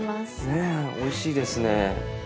ねえおいしいですね。